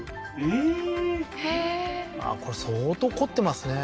へえーこれ相当凝ってますね